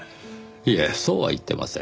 いえそうは言ってません。